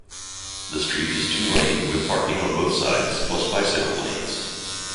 The street is two-lane with parking on both sides plus bicycle lanes.